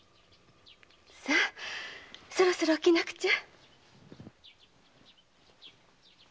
さあそろそろ起きなくちゃ。